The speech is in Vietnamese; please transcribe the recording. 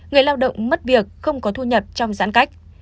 người lao động mất việc không có thu nhập trong giãn cách